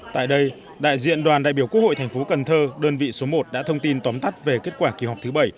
tại đây đại diện đoàn đại biểu quốc hội thành phố cần thơ đơn vị số một đã thông tin tóm tắt về kết quả kỳ họp thứ bảy